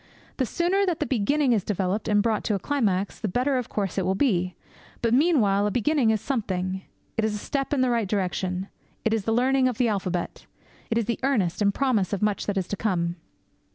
The sooner that the beginning is developed and brought to a climax, the better of course it will be. But meanwhile a beginning is something. It is a step in the right direction. It is the learning of the alphabet. It is the earnest and promise of much that is to come.